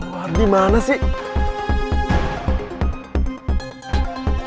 wah dimana sih